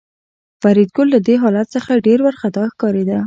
فریدګل له دې حالت څخه ډېر وارخطا ښکارېده